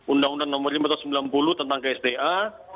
undang undang no lima ratus sembilan puluh tentang ksda